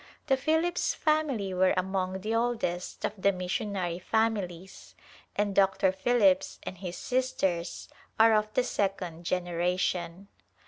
The Phillips family are among the oldest of the missionary families, and Dr. Phillips and his sisters are of the second generation.